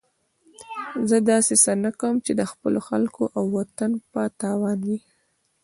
زه داسې څه نه کوم چې د خپلو خلکو او وطن په تاوان وي.